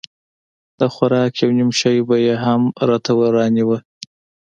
د خوراک يو نيم شى به يې هم راته رانيوه.